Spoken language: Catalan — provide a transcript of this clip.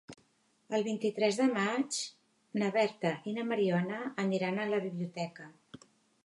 El vint-i-tres de maig na Berta i na Mariona aniran a la biblioteca.